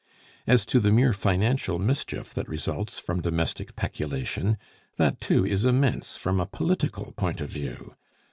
As to the mere financial mischief that results from domestic peculation, that too is immense from a political point of view.